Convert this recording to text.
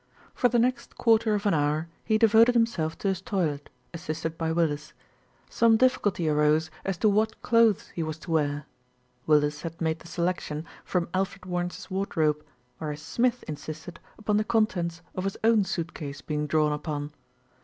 For the next quarter of an hour he devoted himself to his toilet, assisted by Willis. Some difficulty arose as to what clothes he was to wear. Willis had made the selection from Alfred Warren's wardrobe, whereas Smith insisted upon the contents of his own suit case being drawn upon.